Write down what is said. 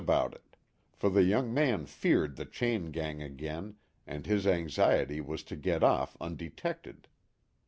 about it ; for the young man feared the chain gang again and his anxiety was to get off undetected.